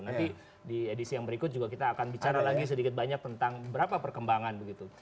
nanti di edisi yang berikut juga kita akan bicara lagi sedikit banyak tentang berapa perkembangan begitu